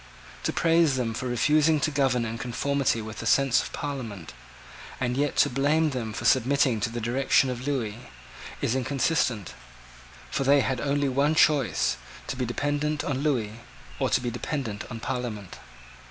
To praise them for refusing to govern in conformity with the sense of Parliament, and yet to blame them for submitting to the dictation of Lewis, is inconsistent. For they had only one choice, to be dependent on Lewis, or to be dependent on Parliament.